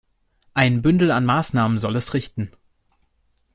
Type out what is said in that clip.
Ein Bündel an Maßnahmen soll es richten.